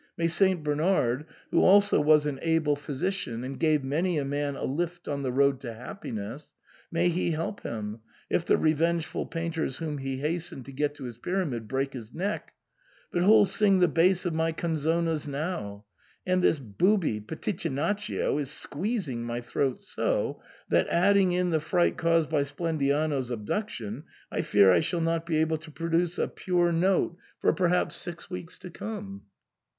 May St. Bernard, who also was an able physician and gave many a man a lift on the road to happiness, may he help him, if the revengeful painters whom he hastened to get to his Pyramid break his neck ! But who'll sing the bass of my canzonas now ? And this booby, Piti chinaccio, is squeezing my throat so, that, adding in the fright caused by Splendiano's abduction, I fear I shall not be able to produce a pure note for perhaps SIGNOR FORMICA. 125 six weeks to come.